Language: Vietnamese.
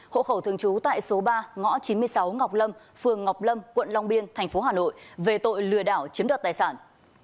hộ khẩu thường trú tại số ba ngõ chín mươi sáu ngọc lâm phường ngọc lâm quận long biên thành phố hà nội về tội lừa đảo chiếm đoạt tài sản